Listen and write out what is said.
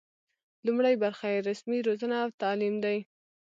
لومړۍ برخه یې رسمي روزنه او تعلیم دی.